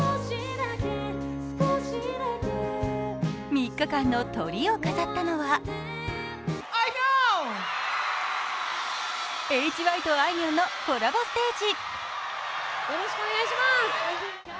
３日間のトリを飾ったのはＨＹとあいみょんのコラボステージ。